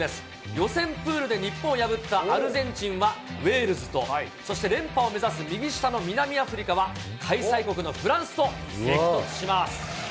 予選プールで日本を破ったアルゼンチンはウェールズと、そして連覇を目指す右下の南アフリカは、開催国のフランスと激突します。